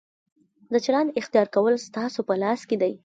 د چلند اختیار کول ستاسو په لاس کې دي.